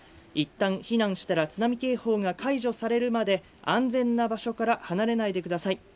一旦避難したら津波警報が解除されるまで、安全な場所から離れないでください。